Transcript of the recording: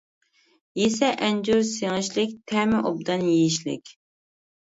يېسە ئەنجۈر سىڭىشلىك، تەمى ئوبدان يېيىشلىك.